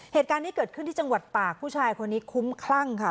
เหตุการณ์นี้เกิดขึ้นที่จังหวัดตากผู้ชายคนนี้คุ้มคลั่งค่ะ